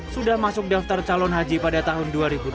sudah masuk daftar calon haji pada tahun dua ribu dua puluh